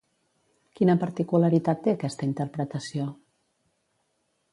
Quina particularitat té aquesta interpretació?